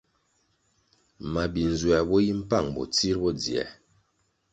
Mabi-nzuer bo yi mpang bo tsir bo dzier.